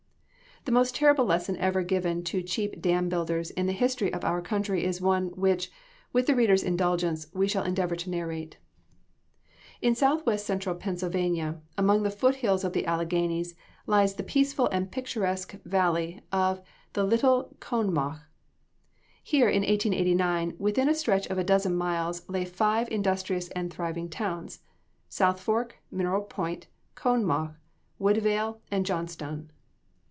The most terrible lesson ever given to cheap dam builders in the history of our country is one, which, with the reader's indulgence, we shall endeavor to narrate. In southwest central Pennsylvania, among the foot hills of the Alleghanies, lies the peaceful and picturesque valley of the Little Conemaugh. Here, in 1889, within a stretch of a dozen miles, lay five industrious and thriving towns: South Fork, Mineral Point, Conemaugh, Woodvale and Johnstown.